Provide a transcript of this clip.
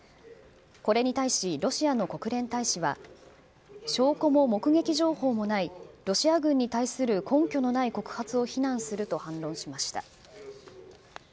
これに対しロシアの国連大使は証拠も目撃情報もないロシア軍に対する根拠のない告発を非難すると反論しました。